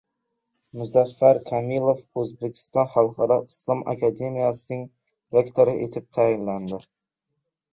Muzaffar Kamilov O‘zbekiston xalqaro islom akademiyasining rektori etib tayinlandi